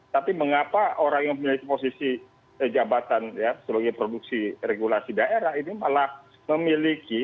tapi mengapa orang yang memiliki posisi jabatan sebagai produksi regulasi daerah ini malah memiliki